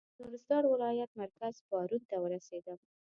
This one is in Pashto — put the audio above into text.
د نورستان ولایت مرکز پارون ته ورسېدم.